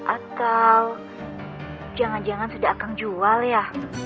atau jangan jangan sudah akang jual ya